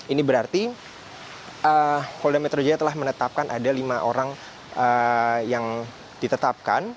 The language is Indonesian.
ini berarti polda metro jaya telah menetapkan ada lima orang yang ditetapkan